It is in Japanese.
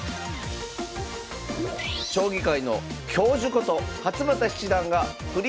将棋界の教授こと勝又七段が振り